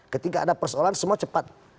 ketika ada persoalan semua cepat